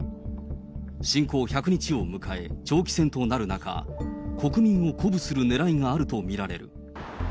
侵攻１００日を迎え、長期戦となる中、国民を鼓舞するねらいがあると見られる。